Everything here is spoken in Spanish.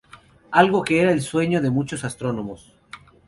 Algo que era el sueño de muchos astrónomos.